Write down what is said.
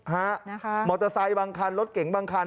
โหมเตอร์ไซล์บางคันรถเก่งบางคัน